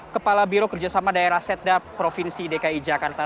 kepala biro kerjasama daerah setda provinsi dki jakarta